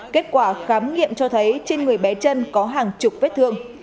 kết quả khám nghiệm cho thấy trên người bé chân có hàng chục vết thương